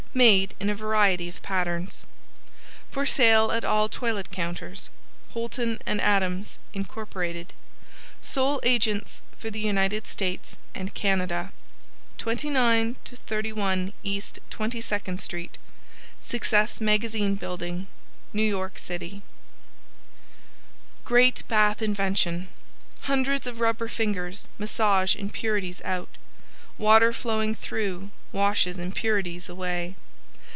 Made in a variety of patterns. For Sale at All Toilet Counters HOLTON & ADAMS (INCORPORATED) Sole Agents for the United States and Canada 29 31 East 22nd St. Success Magazine Bldg. NEW YORK CITY GREAT BATH INVENTION Hundreds of rubber fingers massage impurities out. Water flowing through washes impurities away.